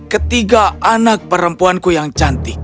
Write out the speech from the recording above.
ketiga anak perempuanku yang cantik